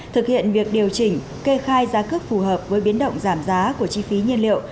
thực hiện việc điều chỉnh kê khai giá cước phù hợp với biến động giảm giá của chi phí nhiên liệu